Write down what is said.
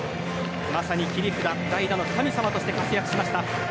まさに切り札代打の神様として活躍しました。